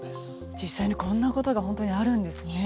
実際にこんなことが本当にあるんですね。